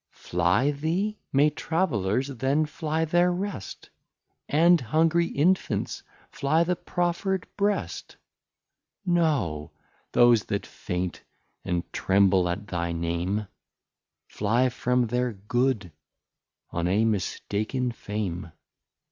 Fly thee? May Travellers then fly their Rest, And hungry Infants fly the profer'd Brest. No, those that faint and tremble at thy Name, Fly from their Good on a mistaken Fame.